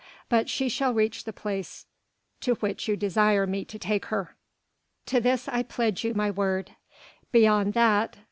But she shall reach the place to which you desire me to take her, to this I pledge you my word. Beyond that